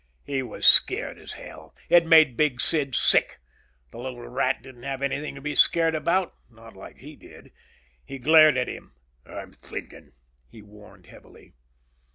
He was scared as hell. It made Big Sid sick. The little rat didn't have anything to be scared about. Not like he did. He glared at him. "I'm thinking," he warned heavily.